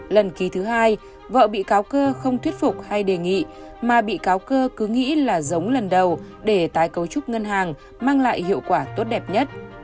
lần thứ hai vợ bị cáo cơ không thuyết phục hay đề nghị mà bị cáo cơ cứ nghĩ là giống lần đầu để tái cấu trúc ngân hàng mang lại hiệu quả tốt đẹp nhất